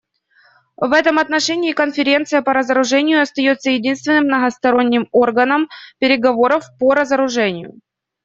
В этом отношении Конференция по разоружению остается единственным многосторонним органом переговоров по разоружению.